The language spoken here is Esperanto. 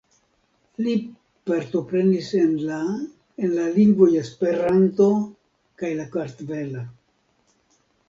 Li partoprenis en la en la lingvoj Esperanto kaj la kartvela.